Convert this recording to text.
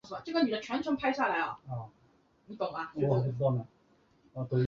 牡丹卡是由中国工商银行发行的银行卡的统称。